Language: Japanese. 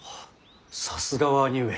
さすがは兄上。